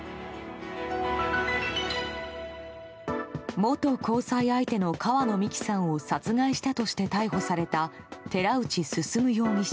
元交際相手の川野美樹さんを殺害したとして逮捕された寺内進容疑者。